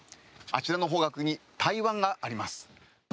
あちらの方角に台湾があります。